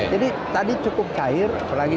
jadi tadi cukup cair